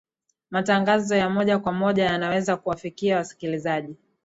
matangazo ya moja kwa moja yanaweza kuwafikia wasikilizaji